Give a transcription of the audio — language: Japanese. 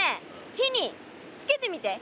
火につけてみて。